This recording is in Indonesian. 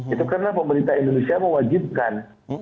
itu karena pemerintah indonesia mewajibkan